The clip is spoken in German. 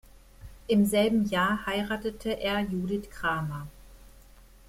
Im selben Jahr heiratete er Judith Kramer.